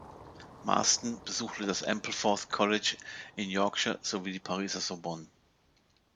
Marsden besuchte das Ampleforth College in Yorkshire sowie die Pariser Sorbonne.